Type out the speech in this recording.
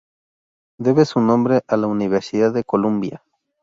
Debe su nombre a la Universidad de Columbia.